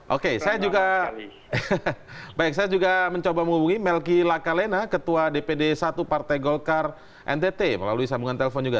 oke saya juga baik saya juga mencoba menghubungi melki lakalena ketua dpd satu partai golkar ntt melalui sambungan telepon juga